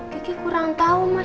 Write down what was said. kiki kurang tahu mas